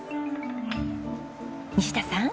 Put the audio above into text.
西田さん。